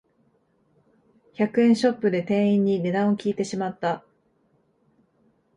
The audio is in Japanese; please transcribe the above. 百円ショップで店員に値段を聞いてしまった